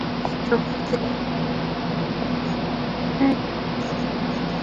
সকাল থেকেই বিভিন্ন ভোটকেন্দ্রে দায়িত্ব পালনে তাঁদের বাধা দেওয়া হতে থাকে।